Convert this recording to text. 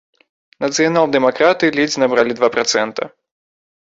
Нацыянал-дэмакраты ледзь набралі два працэнта.